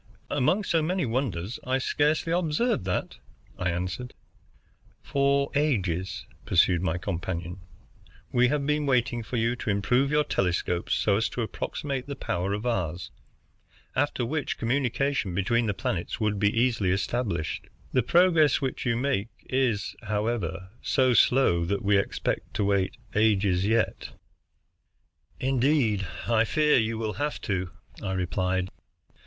"Among so many wonders I scarcely observed that," I answered. "For ages," pursued my companion, "we have been waiting for you to improve your telescopes so as to approximate the power of ours, after which communication between the planets would be easily established. The progress which you make is, however, so slow that we expect to wait ages yet." "Indeed, I fear you will have to," I replied.